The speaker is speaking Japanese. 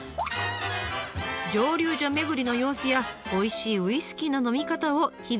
蒸留所巡りの様子やおいしいウイスキーの飲み方を日々発信。